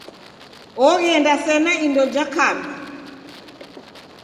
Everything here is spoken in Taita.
Oghenda sena indo ja kawi.